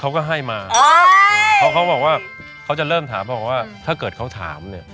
เขาก็ให้มาเพราะเขาบอกว่าเขาจะเริ่มถามบอกว่าถ้าเกิดเขาถามเนี่ย